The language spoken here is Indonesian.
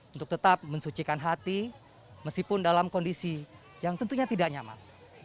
untuk tetap mensucikan hati meskipun dalam kondisi yang tentunya tidak nyaman